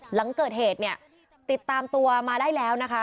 หลังเกิดเหตุเนี่ยติดตามตัวมาได้แล้วนะคะ